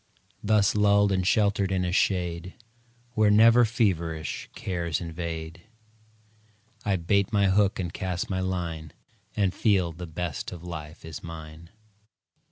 Thus lulled and sheltered in a shade Where never feverish cares invade, I bait my hook and cast my line, And feel the best of life is mine.